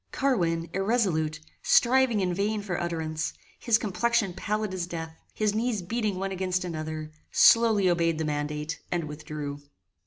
Carwin, irresolute, striving in vain for utterance, his complexion pallid as death, his knees beating one against another, slowly obeyed the mandate and withdrew.